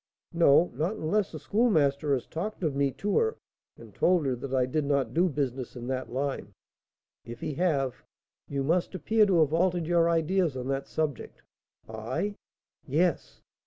"No, not unless the Schoolmaster has talked of me to her, and told her that I did not do business in that line." "If he have, you must appear to have altered your ideas on that subject." "I?" "Yes."